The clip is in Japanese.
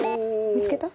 見つけた？